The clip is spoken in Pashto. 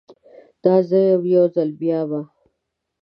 دا به زه یم، یو ځل بیا به